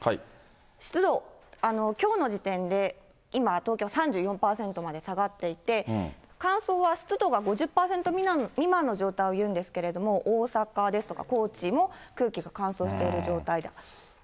湿度、きょうの時点で今、東京３４％まで下がっていて、乾燥は湿度が５０％未満の状態をいうんですけれども、大阪ですとか、高知も空気が乾燥している状態ですね。